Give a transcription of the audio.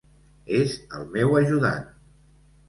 És el meu ajudant.